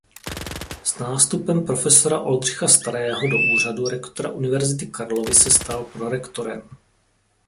S nástupem profesora Oldřicha Starého do úřadu rektora Univerzity Karlovy se stal prorektorem.